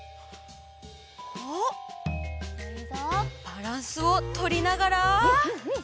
バランスをとりながら。